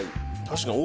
確かに。